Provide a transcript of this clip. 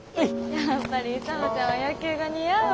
・やっぱり勇ちゃんは野球が似合うわ。